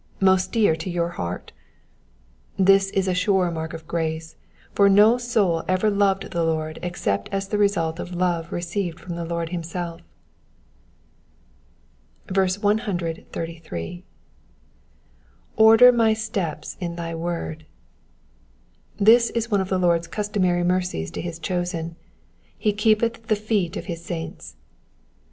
mo8t dear to your heart V This is a sure mark of grace, for no soul ever loved the Lord except as the result of love received from the Lord himself. 133. ^'' Order my steps in thy word.^^ This is one of the Lord's customary mercies to his chosen, —^^ He keepeth the feet of his saints.'